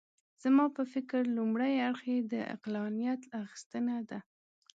زما په فکر لومړی اړخ یې د عقلانیت اخیستنه ده.